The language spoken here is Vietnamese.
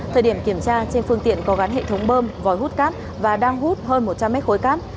thời điểm kiểm tra trên phương tiện có gắn hệ thống bơm vòi hút cát và đang hút hơn một trăm linh mét khối cát